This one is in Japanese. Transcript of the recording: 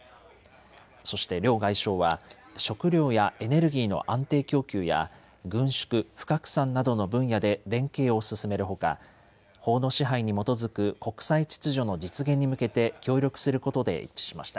そして両外相は食料やエネルギーの安定供給や軍縮・不拡散などの分野で連携を進めるほか法の支配に基づく国際秩序の実現に向けて協力することで一致しました。